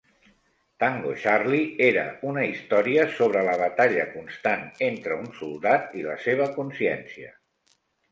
"Tango Charlie" era una història sobre la batalla constant entre un soldat i la seva consciència.